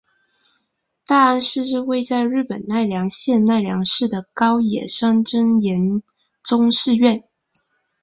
大安寺是位在日本奈良县奈良市的高野山真言宗寺院。